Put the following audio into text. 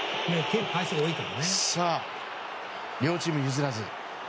両チーム譲らず。